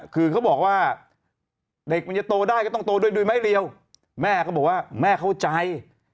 คือไม่เรียวแม่ก็บอกว่าแม่เข้าใจ